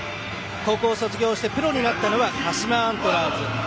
高校を卒業してプロになったのは鹿島アントラーズ。